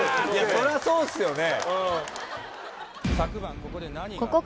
そりゃそうっすよね。